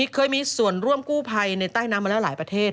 เคยมีส่วนร่วมกู้ภัยในใต้น้ำมาแล้วหลายประเทศ